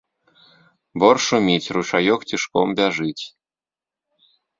Бор шуміць, ручаёк цішком бяжыць.